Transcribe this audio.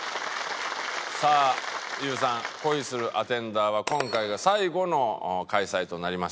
さあＹＯＵさん『恋するアテンダー』は今回が最後の開催となりました。